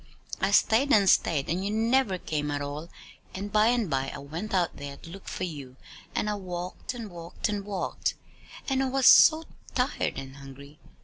"I stayed and stayed, and you never came at all. And by and by I went out there to look for you, and I walked and walked and walked. And I was so tired and hungry!"